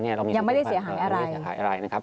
ยังไม่ได้เสียหายอะไร